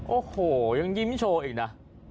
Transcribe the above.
โอ้โหยังยิ้มโชว์อีกนะ